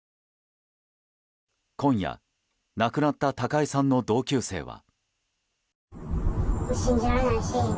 今夜、亡くなった高井さんの同級生は。